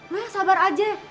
udah sabar aja